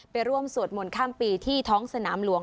ร่วมสวดมนต์ข้ามปีที่ท้องสนามหลวง